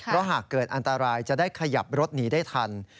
เพราะหากเกิดอันตรายจะได้ขยับรถหนีได้ทัน